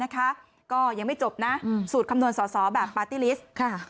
ก็ยังไม่จบนะสูตรคำนวณสอสอแบบปาร์ตี้ลิสต์